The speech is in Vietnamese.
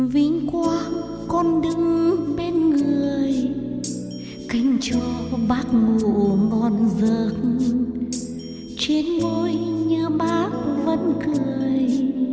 vinh quang con đứng bên người kênh cho bác ngủ ngon giấc trên môi nhớ bác vẫn cười